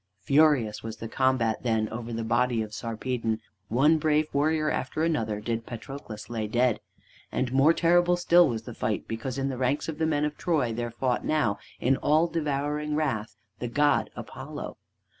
Furious was the combat then over the body of Sarpedon. One brave warrior after another did Patroclus lay dead. And more terrible still was the fight because in the ranks of the men of Troy there fought now, in all devouring wrath, the god Apollo.